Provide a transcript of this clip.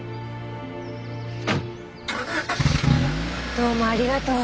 どうもありがとう。